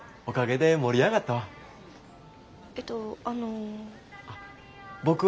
おかげで盛り上がったわ。